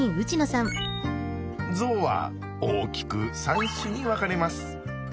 ゾウは大きく３種に分かれます。